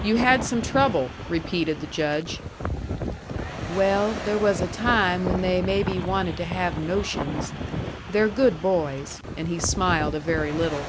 "You had some trouble," repeated the Judge. "Well, there was a time when they maybe wanted to have notions. They're good boys." And he smiled a very little.